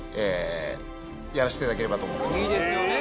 やらせていただければと思ってます。